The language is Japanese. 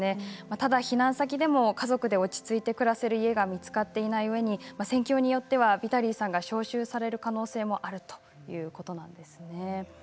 ただ避難先でも、家族で落ち着いて暮らせる家が見つかっていない故に戦況によってはヴィタリーさんが招集される可能性があるということです。